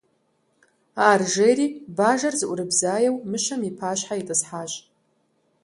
Ар жери бажэр зыӀурыбзаеу мыщэм и пащхьэ итӀысхьащ.